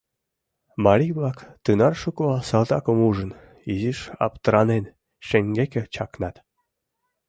Марий-влак, тынар шуко салтакым ужын, изиш аптыранен, шеҥгеке чакнат.